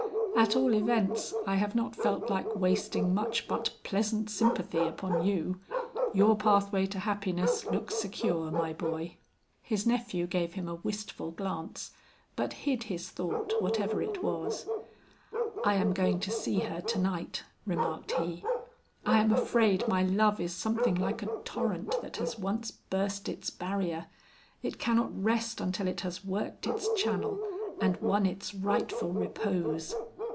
"At all events I have not felt like wasting much but pleasant sympathy upon you. Your pathway to happiness looks secure, my boy." His nephew gave him a wistful glance, but hid his thought whatever it was. "I am going to see her to night," remarked he. "I am afraid my love is something like a torrent that has once burst its barrier; it cannot rest until it has worked its channel and won its rightful repose."